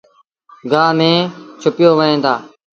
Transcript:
گآه ميݩ ڇُپيو وهيݩ دآ